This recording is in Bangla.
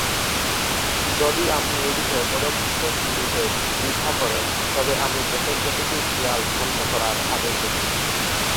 যদি আপনি এই বিষয়ে পদক্ষেপ নিতে দ্বিধা করেন তবে আমি দেশের প্রতিটি শিয়াল ধ্বংস করার আদেশ দেব।